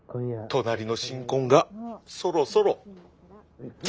隣の新婚がそろそろ。って